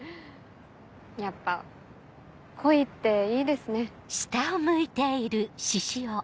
やっぱ恋っていいですね。